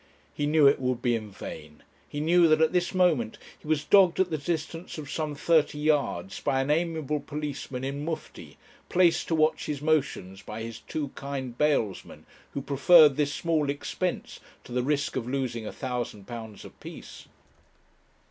He knew it would be in vain; he knew that, at this moment, he was dogged at the distance of some thirty yards by an amiable policeman in mufti, placed to watch his motions by his two kind bailsmen, who preferred this small expense to the risk of losing a thousand pounds a piece.